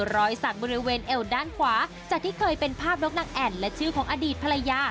รอยสักบริเวณเอวด้านขวาจากที่เคยเป็นภาพนกนางแอ่นและชื่อของอดีตภรรยา